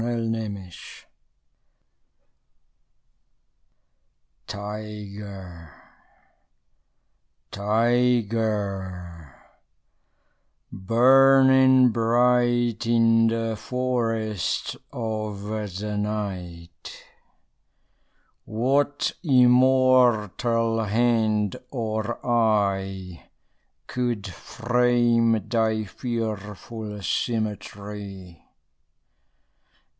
THE TYGER Tyger, tyger, burning bright In the forests of the night, What immortal hand or eye Could frame thy fearful symmetry?